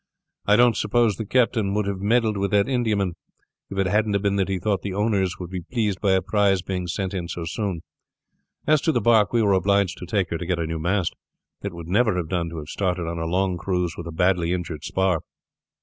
I don't suppose the captain would have meddled with that Indiaman if it hadn't been that he thought the owners would be pleased by a prize being sent in so soon. As to the bark, we were obliged to take her to get a new mast. It would never have done to have started on a long cruise with a badly injured spar."